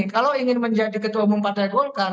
kalau ingin menjadi ketua umum partai golkar